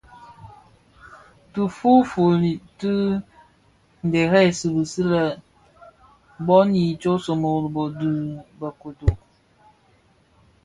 Tifufuli tye dheresi bisi lè bon i ntsōmōrōgō dhi be Kodo,